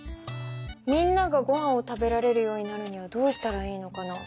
みんながごはんを食べられるようになるにはどうしたらいいのかな？